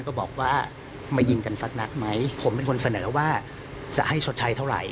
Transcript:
ก็บอกว่ามายิงกันสักนัดไหมผมเป็นคนเสนอว่าจะให้ชดใช้เท่าไหร่